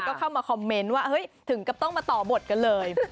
ก็เข้ามาคอมเมนต์ว่าถึงกับต้องมาต่อบทกันเลย